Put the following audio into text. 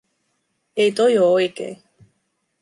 “Ei toi oo oikei.